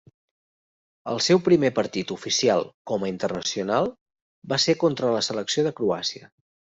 El seu primer partit oficial com a internacional va ser contra la selecció de Croàcia.